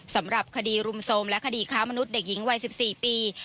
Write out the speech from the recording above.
สำหรับคดีรุมโทรมและคดีค้ามนุษย์เด็กหญิงวัย๑๔ปี